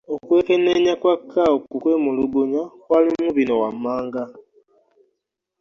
Okwekenneenya kwa CAO ku kwemulugunya kwalimu bino wammanga.